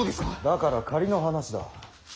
だから仮の話だ。